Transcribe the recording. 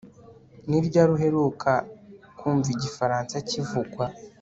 Ni ryari uheruka kumva igifaransa kivugwa